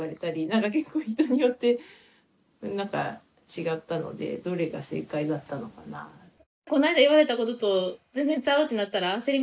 なんか結構人によって違ったのでどれが正解だったのかなぁって。